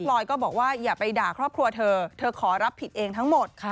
ลอยก็บอกว่าอย่าไปด่าครอบครัวเธอเธอขอรับผิดเองทั้งหมด